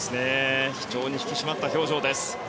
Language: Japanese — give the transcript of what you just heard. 非常に引き締まった表情でした。